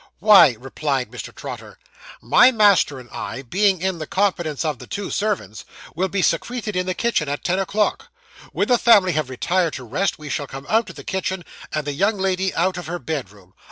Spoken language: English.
'Why,' replied Mr. Trotter, 'my master and I, being in the confidence of the two servants, will be secreted in the kitchen at ten o'clock. When the family have retired to rest, we shall come out of the kitchen, and the young lady out of her bedroom.